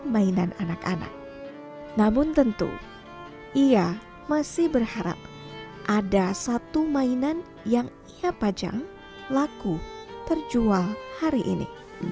mainan anak anak namun tentu ia masih berharap ada satu mainan yang ia pajang laku terjual hari ini